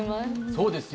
そうですよ。